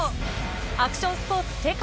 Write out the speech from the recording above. アクションスポーツ世界